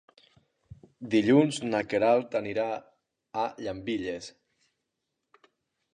Dilluns na Queralt anirà a Llambilles.